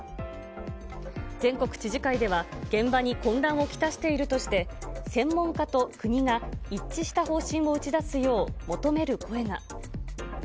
全国知事会では、現場に混乱をきたしているとして、専門家と国が一致した方針を打ち出すよう求める声が。